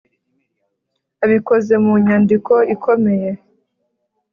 abikoze mu nyandiko ikomeye.